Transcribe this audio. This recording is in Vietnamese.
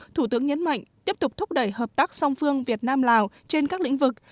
thủ tướng nhấn mạnh tiếp tục thúc đẩy hợp tác song phương việt nam lào trên các lĩnh vực